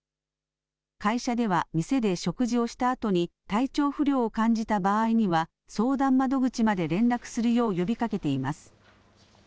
会社では店で食事をしたあとに体調不良を感じた場合には、相談窓口まで連絡するよう呼びかけています。